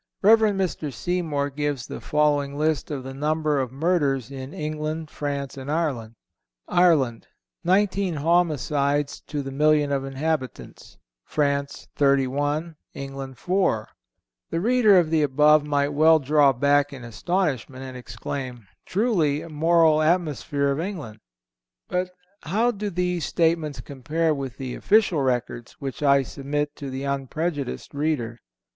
Rev. Mr. Seymour gives the following list of the number of murders in England, France and Ireland: Ireland: 19 homicides to the million of inhabitants France: 31 England: 4 The reader of the above might well draw back in astonishment and exclaim, "Truly moral atmosphere of England!" But how do these statements compare with the official records which I submit to the unprejudiced reader?